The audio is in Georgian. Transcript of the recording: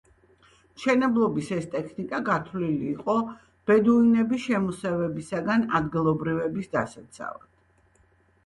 მშენებლობის ეს ტექნიკა გათვლილი იყო ბედუინების შემოსევებისგან ადგილობრივების დასაცავად.